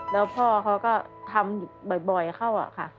แล้วพ่อเขาก็ทำบ่อยเข้าค่ะ